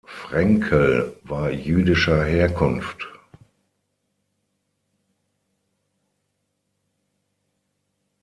Fraenkel war jüdischer Herkunft.